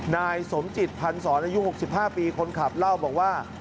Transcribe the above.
นายสมจิตพันศรอายุ๖๕ปีคนขับเล่าบอกว่า